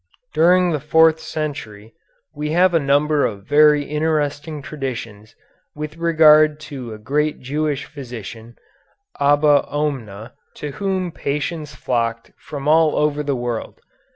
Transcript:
During the fourth century we have a number of very interesting traditions with regard to a great Jewish physician, Abba Oumna, to whom patients flocked from all over the world.